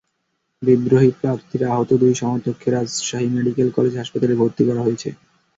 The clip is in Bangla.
বিদ্রোহী প্রার্থীর আহত দুই সমর্থককে রাজশাহী মেডিকেল কলেজ হাসপাতালে ভর্তি করা হয়েছে।